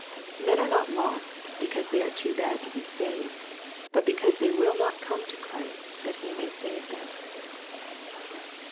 Men are not lost, be cause they are too bad to be saved, but because they will not come to Christ that He may save them.